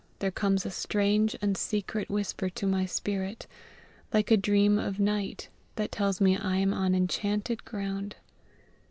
There comes a strange and secret whisper to my. ... spirit, like a dream of night, that tells me I am on enchanted ground.